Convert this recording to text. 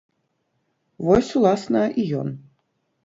Вось, уласна, і ён.